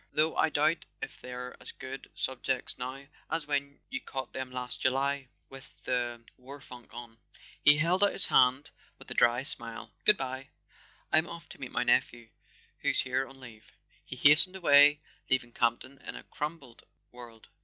Though I doubt if they're as good sub¬ jects now as when you caught them last July with the war funk on." He held out his hand with a dry smile. " Good¬ bye. I'm off to meet my nephew, who's here on leave." He hastened away, leaving Campton in a crumbled world.